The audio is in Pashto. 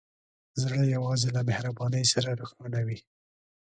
زړه یوازې له مهربانۍ سره روښانه وي.